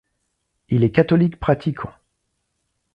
Il est catholique pratiquant.